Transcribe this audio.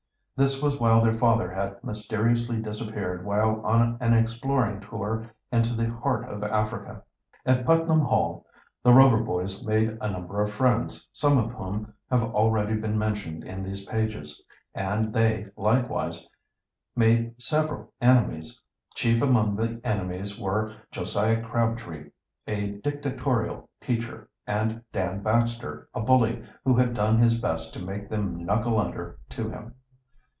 This was while their father had mysteriously disappeared while on an exploring tour into the heart of Africa. At Putnam Hall the Rover boys made a number of friends, some of whom have already been mentioned in these pages, and they likewise made several enemies. Chief among the enemies were Josiah Crabtree, a dictatorial teacher, and Dan Baxter, a bully who had done his best to make them "knuckle under" to him.